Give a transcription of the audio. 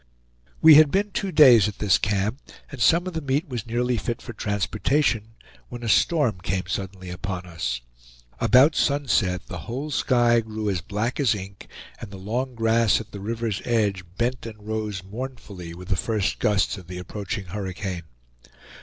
We had been two days at this camp, and some of the meat was nearly fit for transportation, when a storm came suddenly upon us. About sunset the whole sky grew as black as ink, and the long grass at the river's edge bent and rose mournfully with the first gusts of the approaching hurricane.